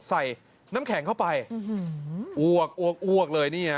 ใส่น้ำแข็งเข้าไปอวกเลยนะ